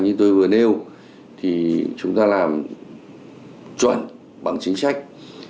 như tôi vừa nêu thì chúng ta làm chuẩn bằng chính sách